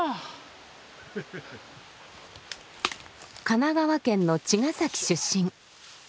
神奈川県の茅ヶ崎出身。